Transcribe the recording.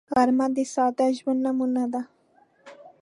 غرمه د ساده ژوند نمونه ده